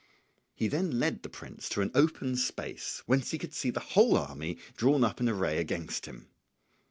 He then led the prince to an open space whence he could see the whole army drawn up in array against him.